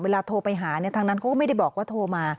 โทรไปหาทางนั้นเขาก็ไม่ได้บอกว่าโทรมา